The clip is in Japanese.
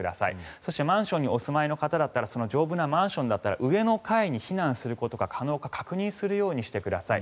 そしてマンションにお住まいの方だったら丈夫なマンションだったら上の階に避難することが可能かどうか確認するようにしてください。